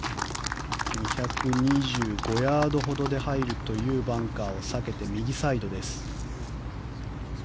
２２５ヤードほどで入るというバンカーを避けて右サイドです。